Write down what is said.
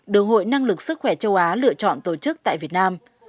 được hội năng lực sức khỏe châu á lựa chọn tổ chức tại việt nam